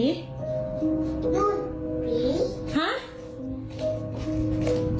ตรงนั้นผี